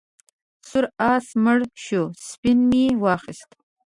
سور آس مړ شو سپین مې واخیست.